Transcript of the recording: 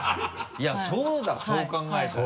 いやそうだそう考えたら。